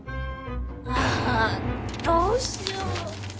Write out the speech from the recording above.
あどうしよう！